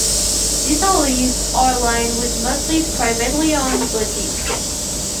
These alleys are lined with mostly privately owned boutiques.